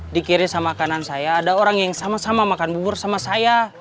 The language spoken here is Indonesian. dikirim sama kanan saya ada orang yang sama sama makan bubur sama saya